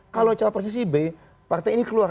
kalau cawapresnya si b partai ini keluar